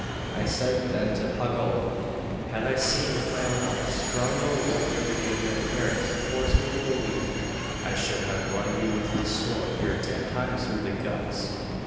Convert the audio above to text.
I said then to Pagolo: "Had I seen with my own eyes, scoundrel, what your behaviour and appearance force me to believe, I should have run you with this sword here ten times through the guts.